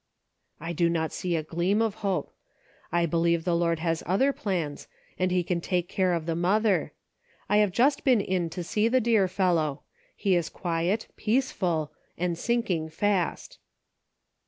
" I do not see a gleam of hope ; I believe the Lord has other plans, and he can take care of the mother. I have just been in to see the dear fellow; he is quiet, peaceful, and sinking fast."